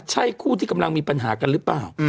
ใช่คู่ที่กำลังมีปัญหากันหรือเปล่า